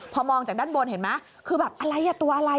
พอมองจากด้านบนเห็นไหมคือแบบอะไรอ่ะตัวอะไร